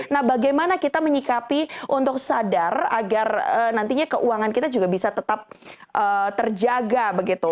nah bagaimana kita menyikapi untuk sadar agar nantinya keuangan kita juga bisa tetap terjaga begitu